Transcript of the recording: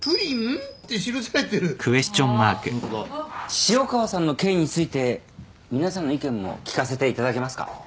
潮川さんの刑について皆さんの意見も聞かせていただけますか。